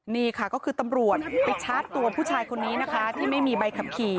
นี่ค่ะก็คือตำรวจไปชาร์จตัวผู้ชายคนนี้นะคะที่ไม่มีใบขับขี่